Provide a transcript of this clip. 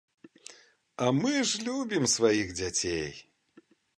А мы ж любім сваіх дзяцей!